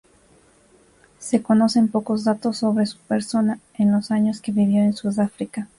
Se conocen pocos datos sobre su persona en los años que vivió en Sudáfrica.